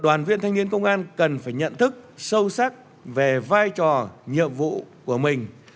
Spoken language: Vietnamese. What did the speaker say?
đoàn viên thanh niên công an cần phải nhận thức sâu sắc về vai trò nhiệm vụ của mình